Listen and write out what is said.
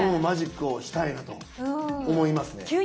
マジックをしたいなと思いますね。